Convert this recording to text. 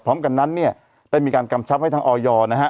พร้อมกันนั้นเนี่ยได้มีการกำชับให้ทางออยนะฮะ